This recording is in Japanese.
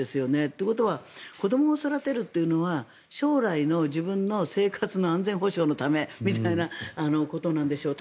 ということは子どもを育てるというのは将来の自分の生活の安全保障のためみたいなことなんでしょう。